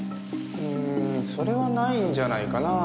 うんそれはないんじゃないかなぁ。